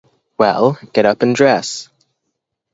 Well, get up and dress.